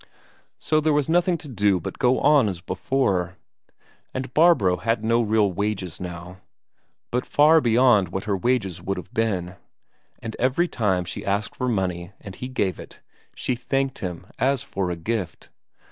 So there was nothing to do but go on as before. And Barbro had no real wages now, but far beyond what her wages would have been; and every time she asked for money and he gave it, she thanked him as for a gift.